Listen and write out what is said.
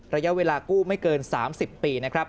ระยะเวลากู้ไม่เกิน๓๐ปี